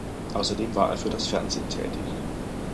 Außerdem war er für das Fernsehen tätig.